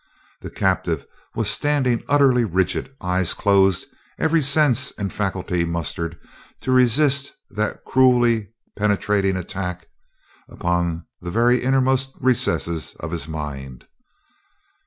The captive was standing utterly rigid, eyes closed, every sense and faculty mustered to resist that cruelly penetrant attack upon the very innermost recesses of his mind.